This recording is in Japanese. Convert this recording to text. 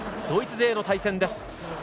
ドイツ勢の対戦です。